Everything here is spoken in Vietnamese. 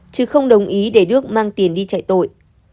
chứ không đồng ý để đức mang tiền đi chạy tội